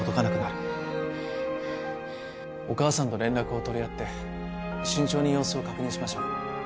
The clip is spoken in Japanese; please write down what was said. お母さんと連絡を取り合って慎重に様子を確認しましょう。